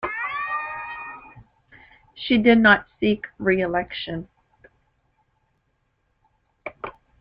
She did not seek re-election.